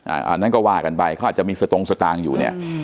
อันนั้นก็ว่ากันไปเขาอาจจะมีสตงสตางค์อยู่เนี่ย